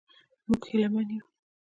موږ هیله من یو.